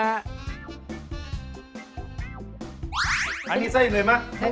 อ่านี่ไส้เลยมั้ย